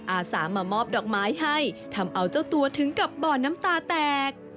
อาสามามอบดอกไม้ให้ทำเอาเจ้าตัวถึงกับบ่อน้ำตาแตก